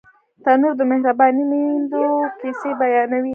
تنور د مهربانو میندو کیسې بیانوي